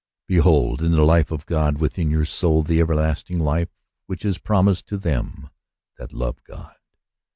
Behold, in the life of God within your soul, the everlasting life which is promised to them that love God.